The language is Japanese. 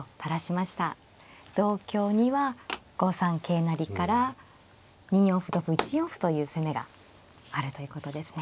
同香には５三桂成から２四歩同歩１四歩という攻めがあるということですね。